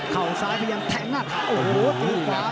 เข้าซ้ายไปยังแทงหน้าโอ้โหตีรถขวา